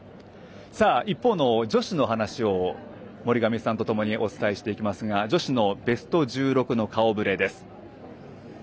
一方の女子の話を森上さんと共にお伝えしていきますが女子のベスト１６の顔ぶれです。